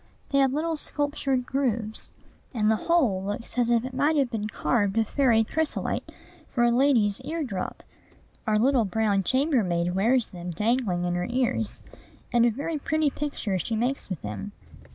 They have little sculptured grooves; and the whole looks as if it might have been carved of fairy chrysolite for a lady's ear drop. Our little brown chambermaid wears them dangling in her ears; and a very pretty picture she makes with them.